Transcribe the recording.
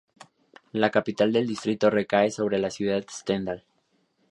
La capital del distrito recae sobre la ciudad Stendal.